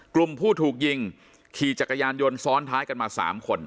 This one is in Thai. กลุ่มผู้ถูกยิงขี่จักรยานยนต์ซ้อนท้ายกันมา๓คน